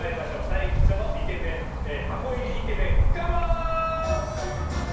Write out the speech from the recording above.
最初の箱入りイケメンカモン！